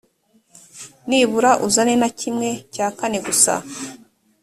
nibura uzane na kimwe cya kane gusa.